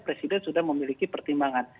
presiden sudah memiliki pertimbangan